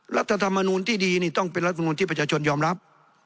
รัฐธรรมนูลที่ดีนี่ต้องเป็นรัฐมนูลที่ประชาชนยอมรับ